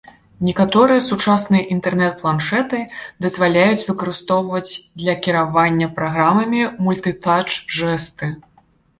Некаторыя сучасныя інтэрнэт-планшэты дазваляюць выкарыстоўваць для кіравання праграмамі мультытач-жэсты.